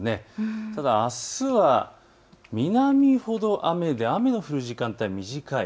ただあすは南ほど雨で雨の降る時間、短い。